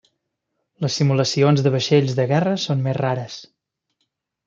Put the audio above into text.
Les simulacions de vaixells de guerra són més rares.